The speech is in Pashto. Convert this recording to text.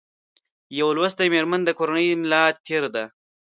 یو لوستي مېرمن د کورنۍ د ملا تېر ده